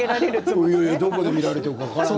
どこで見られているか分からない。